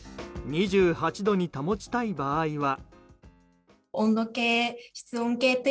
２８度に保ちたい場合は。